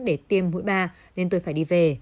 để tiêm mũi ba nên tôi phải đi về